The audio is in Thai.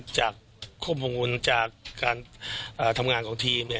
จากควบคุมภูมิจากการทำงานของทีม